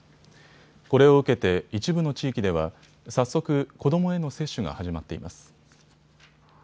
これを受けて一部の地域では早速、子どもへの接種が始まっています。